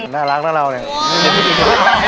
น่ารักนะเราเนี่ย